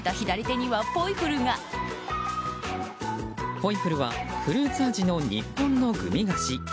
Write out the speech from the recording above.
ポイフルはフルーツ味の日本のグミ菓子。